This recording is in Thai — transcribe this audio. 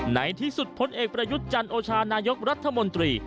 ในที่สุดพลเอกประยุทธ์จันโอชานายกรัฐมนตรี